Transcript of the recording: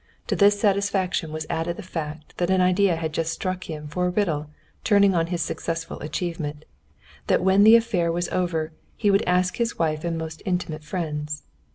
To this satisfaction was added the fact that an idea had just struck him for a riddle turning on his successful achievement, that when the affair was over he would ask his wife and most intimate friends.